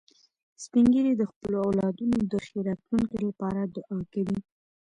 سپین ږیری د خپلو اولادونو د ښې راتلونکې لپاره دعا کوي